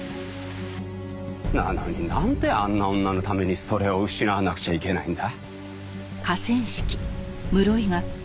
なのになんであんな女のためにそれを失わなくちゃいけないんだ？